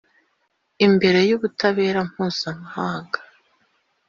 imbere y'ubutabera mpuzamahanga,